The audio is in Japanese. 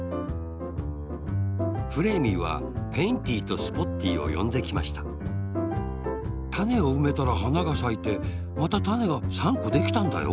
フレーミーはペインティーとスポッティーをよんできましたたねをうめたらはながさいてまたたねが３こできたんだよ。